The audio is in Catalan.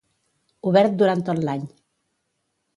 Obert durant tot l'any.